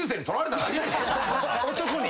・男に。